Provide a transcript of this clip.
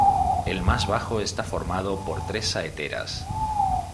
El más bajo está formado por tres saeteras.